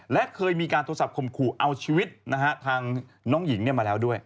และเคยมีการโทรศัพท์ข่มขู่เอาชีวิตทางน้องหญิงมาแล้วด้วย